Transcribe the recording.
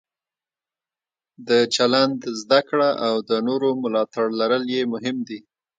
د چلند زده کړه او د نورو ملاتړ لرل یې مهم دي.